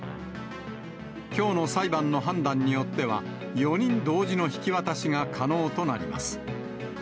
きょうの裁判の判断によっては、４人同時の引き渡しが可能となります。